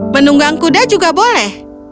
menunggang kuda juga boleh